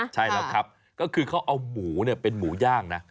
ใช่แล้วครับก็คือเขาเอาหมูเป็นหมูย่างนะ